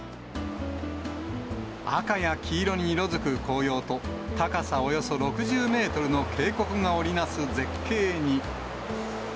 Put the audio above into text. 赤や黄色に色づく紅葉と、高さおよそ６０メートルの渓谷が織り成す絶景に。